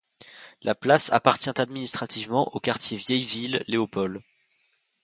La place appartient administrativement au quartier Ville Vieille - Léopold.